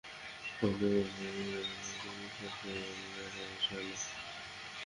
আমি তোমাকে বলেছিলাম, আমি প্রয়োজন কে বিশ্বাস করি, অনুভূতি আর ভালবাসাকে না।